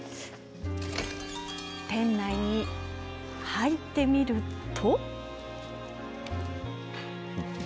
店内に入ってみると。